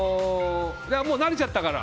もう慣れちゃったから。